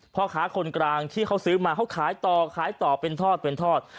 พ่อค้าคนกลางที่เขาซื้อมาเขาขายต่อขายต่อเป็นทอดเป็นทอด